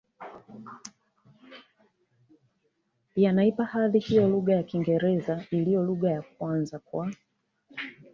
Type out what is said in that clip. yanaipa hadhi hiyo lugha ya Kiingereza iliyo lugha ya kwanza kwa